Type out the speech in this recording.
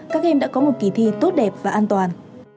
các em đã có một kỳ thi tốt đẹp và an toàn